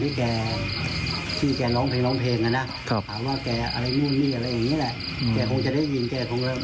เรื่องของอาการป่วยสติอะไรอย่างนี้แหละ